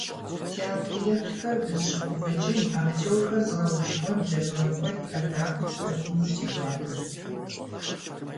Театреплъхэр дызыщыгуфӏыкӏын, актёрхэр зыгъэгушхуэн лэжьыгъэ куэд и ӏэдакъэ къыщӏэкӏыну си гуапэщ.